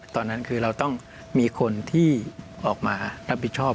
ตอนนั้นคือเราต้องมีคนที่ออกมารับผิดชอบ